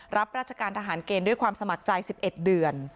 รับราชการทหารเกณฑ์ด้วยความสมัครใจ๑๑เดือน